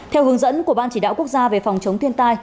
theo hướng dẫn của ban chỉ đạo quốc gia về phòng chống thiên tai